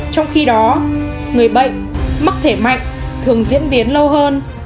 trong khi đó người bệnh mắc thể mạnh thường diễn biến lâu hơn